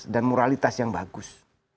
dan moralitas yang bagus